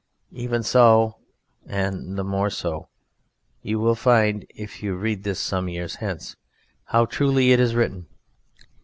Even so, and the more so, you will find (if you read this some years hence) how truly it is written.